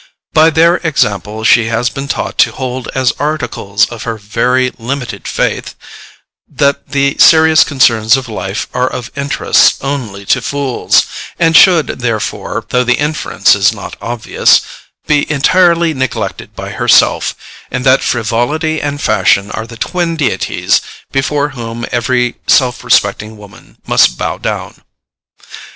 By their example she has been taught to hold as articles of her very limited faith, that the serious concerns of life are of interest only to fools, and should, therefore (though the inference is not obvious), be entirely neglected by herself, and that frivolity and fashion are the twin deities before whom every self respecting woman must bow down.